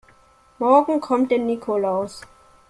Morgen kommt der Nikolaus.